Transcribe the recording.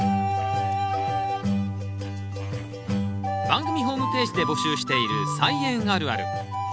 番組ホームページで募集している「菜園あるある」。